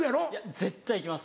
絶対行きます